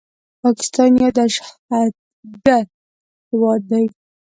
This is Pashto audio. پاکستان يو دهشتګرد هيواد ده